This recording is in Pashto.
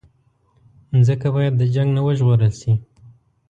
مځکه باید د جنګ نه وژغورل شي.